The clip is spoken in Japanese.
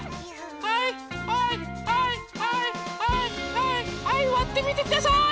はいはいはいはいはいはいはいわってみてください！